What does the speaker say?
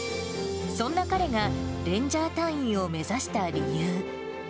そんな彼が、レンジャー隊員を目指した理由。